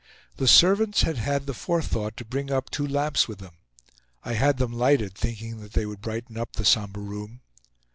The servants had had the forethought to bring up two lamps with them. I had them lighted, thinking that they would brighten up the somber room.